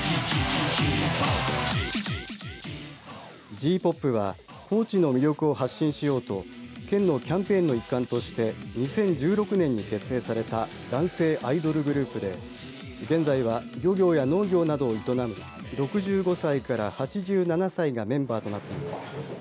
爺‐ＰＯＰは高知の魅力を発信しようと県のキャンペーンの一環として２０１６年に結成された男性アイドルグループで現在は漁業や農業などを営む６５歳から８７歳がメンバーとなっています。